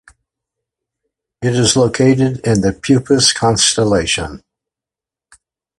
It is located in the Puppis constellation.